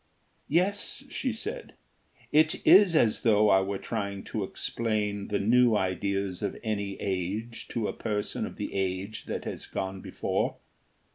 "Yes," she said. "It is as if I were to try to explain the new ideas of any age to a person of the age that has gone before."